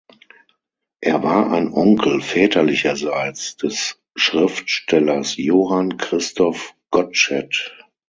Er war ein Onkel väterlicherseits des Schriftstellers Johann Christoph Gottsched.